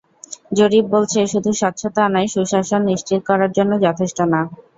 জরিপ বলছে, শুধু স্বচ্ছতা আনাই সুশাসন নিশ্চিত করার জন্য যথেষ্ট না।